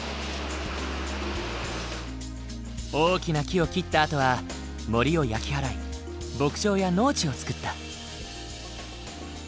大きな木を切ったあとは森を焼き払い牧場や農地を造った。